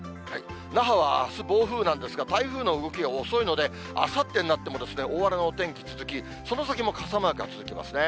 那覇はあす、暴風雨なんですが、台風の動きが遅いので、あさってになっても大荒れのお天気続き、その先も傘マークが続きますね。